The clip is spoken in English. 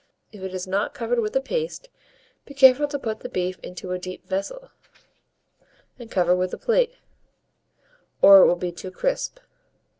If it is not covered with a paste, be careful to put the beef into a deep vessel, and cover with a plate, or it will be too crisp.